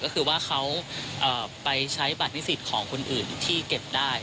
ก็คือว่าเขาไปใช้บัตรนิสิตของคนอื่นที่เก็บได้